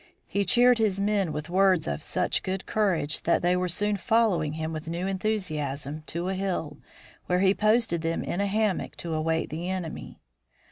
He cheered his men with words of such good courage that they were soon following him with new enthusiasm to a hill, where he posted them in a hammock to await the enemy.